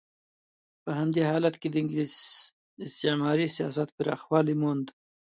په همدې حالت کې د انګلیس استعماري سیاست پراخوالی مونده.